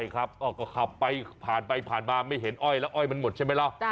ก็ขับไปผ่านไปผ่านมาไม่เห็นอ้อยแล้วอ้อยมันหมดใช่ไหมล่ะ